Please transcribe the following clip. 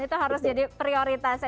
itu harus jadi prioritasnya